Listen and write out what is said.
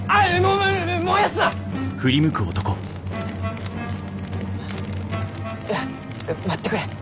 うん待ってくれ。